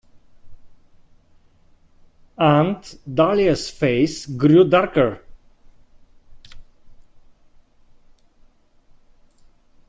Aunt Dahlia's face grew darker.